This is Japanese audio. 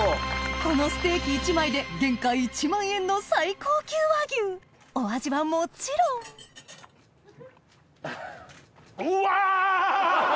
このステーキ１枚で原価１万円の最高級和牛お味はもちろんうわ！